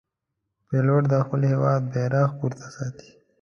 پیلوټ د خپل هېواد بیرغ پورته ساتي.